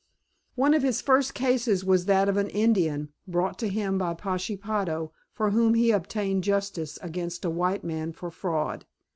One of his first cases was that of an Indian, brought to him by Pashepaho, for whom he obtained justice against a white man for fraud.